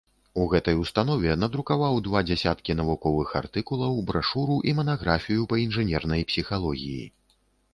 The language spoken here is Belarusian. У гэтай установе надрукаваў два дзясяткі навуковых артыкулаў, брашуру і манаграфію па інжынернай псіхалогіі.